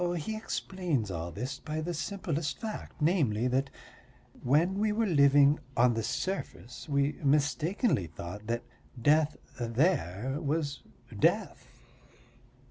"He explains all this by the simplest fact, namely, that when we were living on the surface we mistakenly thought that death there was death.